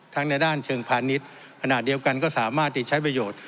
ในด้านเชิงพาณิชย์ขณะเดียวกันก็สามารถที่ใช้ประโยชน์